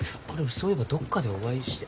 そういえばどっかでお会いして。